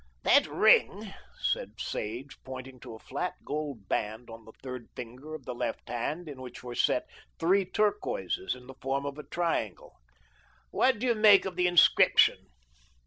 "That ring," said Sage, pointing to a flat gold band on the third finger of the left hand in which were set three turquoises in the form of a triangle. "What do you make of the inscription?"